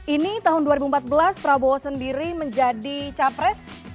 ini tahun dua ribu empat belas prabowo sendiri menjadi capres